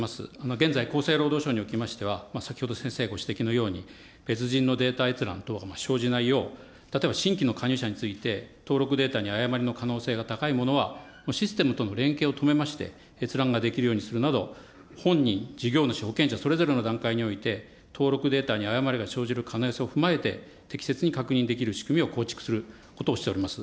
現在、厚生労働省におきましては、先ほど先生ご指摘のように、別人のデータ閲覧等生じないよう、例えば、新規の加入者について、登録データに誤りの可能性が高いものは、システムとの連携を止めまして、閲覧ができるようにするなど、本人、事業主、保険者、それぞれの登録データに誤りが生じる可能性を踏まえて、適切に確認できる仕組みを構築することをしております。